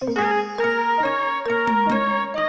แม่น